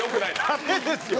ダメですよ！